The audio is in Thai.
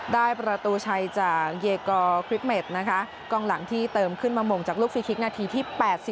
ได้ประตูชัยจากเยกอร์คริกเมดนะคะกล้องหลังที่เติมขึ้นมาหม่งจากลูกฟรีคลิกนาทีที่๘๔